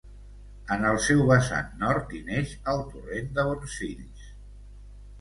En el seu vessant nord hi neix el torrent de Bonsfills.